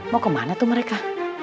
mau kemana tuh mereka